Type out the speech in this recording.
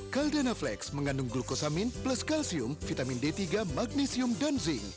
caldana flex mengandung glukosamin plus kalsium vitamin d tiga magnesium dan zinc